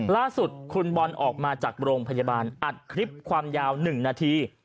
ล่าสุดคุณบอลออกมาจากโรงพยาบาลอัดคลิปความยาว๑นาที